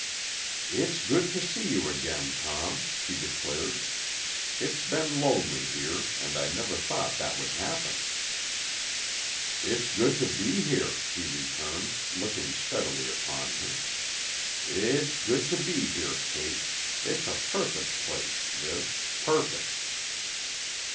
"It's good to see you again, Tom," she declared. "It's been lonely here.... And I never thought that would happen." "It's good to be here," he returned, looking steadily upon her. "It's good to be here, Kate. It's a perfect place, this perfect."